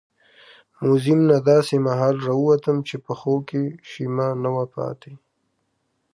موزیم نه داسې مهال راووتم چې پښو کې شیمه نه وه پاتې.